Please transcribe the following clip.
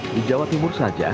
di jawa timur saja